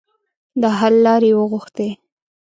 د حل لارې یې وغوښتې.